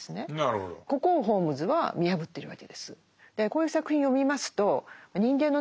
ここをホームズは見破ってるわけです。